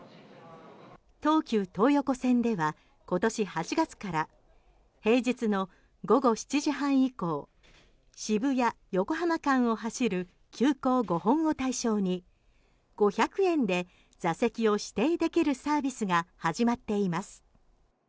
東急東横線では今年８月から平日の午後７時半以降渋谷横浜間を走る急行５本を対象に５００円で座席を指定できるサービスが始まっています。